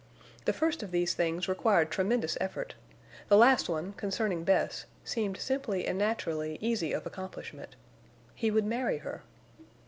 The first of these things required tremendous effort, the last one, concerning Bess, seemed simply and naturally easy of accomplishment. He would marry her.